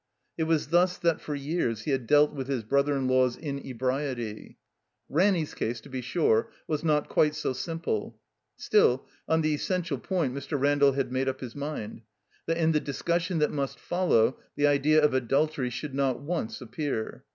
It was thus that for years he had dealt with his brother in iaws' inebriety. Ranny's case, to be stire, was not quite so simple; still, on the essential point Mr. Randall had made up his mind — that, in the discussion that must fol low, the idea of adultery should not once appear.